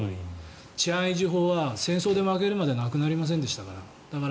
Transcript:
治安維持法は戦争で負けるまでなくなりませんでしたから。